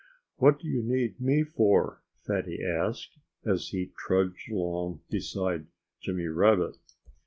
"What do you need me for?" Fatty asked, as he trudged along beside Jimmy Rabbit.